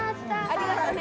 ありがとね。